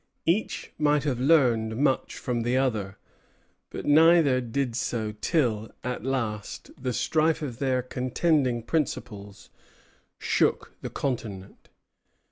Each might have learned much from the other; but neither did so till, at last, the strife of their contending principles shook the continent.